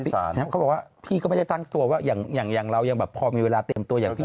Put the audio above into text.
พี่สารเขาบอกว่าพี่ก็ไม่ได้ตั้งตัวว่าอย่างเรายังพอมีเวลาเต็มตัว